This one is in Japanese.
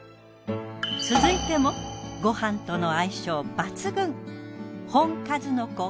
続いてもごはんとの相性抜群！